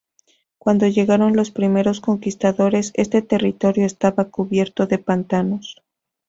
Cuando llegaron los primeros conquistadores este territorio estaba cubierto de pantanos.